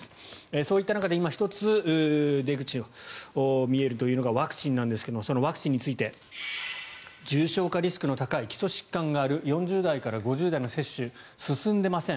そういった中で今、１つ出口が見えるというのがワクチンですがそのワクチンについて重症化リスクの高い基礎疾患がある４０代から５０代の接種が進んでいません。